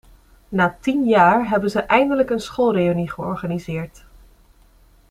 Na tien jaar hebben ze eindelijk een schoolreünie georganiseerd.